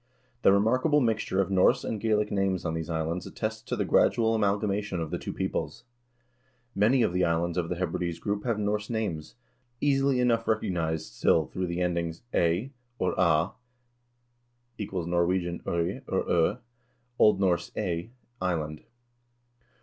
The remarkable mixture of Norse and Gaelic names on these islands attests to the gradual amalgamation of the two peoples.1 Many of the islands of the Hebrides group have Norse names, easily enough recognized still through the endings ay, or a (= Norwegian 0y or 0, O. N. ey = island).